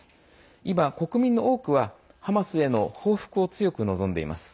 今、国民の多くはハマスへの報復を強く望んでいます。